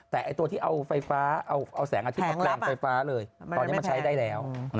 แต่ตัวที่เอาไฟฟ้าเอาแสงอาทิตย์มาแปลงไฟฟ้าเลยตอนนี้มันใช้ได้แล้ว